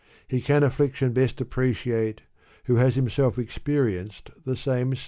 He can affliction best appreciate, Who has himself experienced the same state.